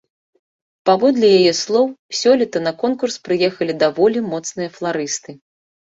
Паводле яе слоў, сёлета на конкурс прыехалі даволі моцныя фларысты.